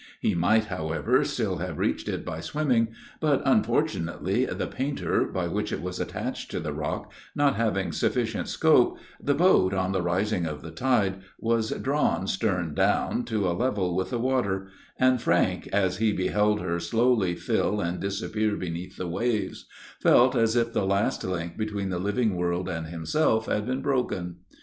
He might, however, still have reached it by swimming; but, unfortunately, the painter, by which it was attached to the rock, not having sufficient scope, the boat, on the rising of the tide, was drawn, stern down, to a level with the water; and Frank, as he beheld her slowly fill and disappear beneath the waves, felt as if the last link between the living world and himself had been broken.